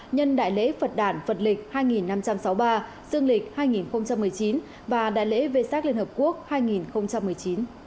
nhân đại lễ phật đàn phật lịch hai năm trăm sáu mươi ba dương lịch hai nghìn một mươi chín và đại lễ vê sát liên hợp quốc hai nghìn một mươi chín